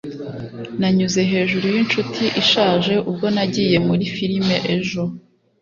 Nanyuze hejuru yinshuti ishaje ubwo nagiye muri firime ejo